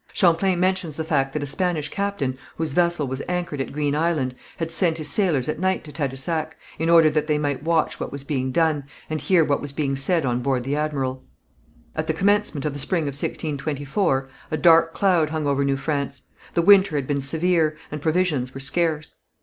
Champlain mentions the fact that a Spanish captain, whose vessel was anchored at Green Island, had sent his sailors at night to Tadousac, in order that they might watch what was being done, and hear what was being said on board the Admiral. At the commencement of the spring of 1624, a dark cloud hung over New France. The winter had been severe, and provisions were scarce.